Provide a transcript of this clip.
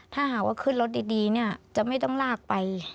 ถ้าหากว่าขึ้นรถดีเนี่ยจะไม่ต้องลากไป